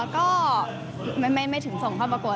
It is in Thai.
ก็ไม่ถึงส่งเข้าประกวด